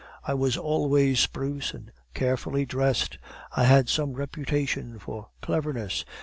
I was always spruce and carefully dressed. I had some reputation for cleverness.